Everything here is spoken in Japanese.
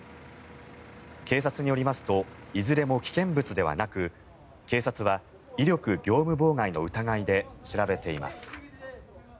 警察によりますといずれも危険物ではなく警察は、威力業務妨害の疑いで調べています。